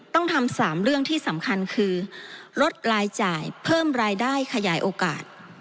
ต้องทำ๓เรื่องที่สำคัญคือลดรายจ่ายเพิ่มรายได้ขยายโอกาส